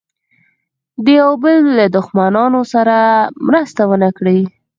د یوه بل له دښمنانو سره مرسته ونه کړي.